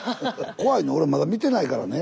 怖いの俺まだ見てないからね。